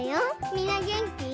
みんなげんき？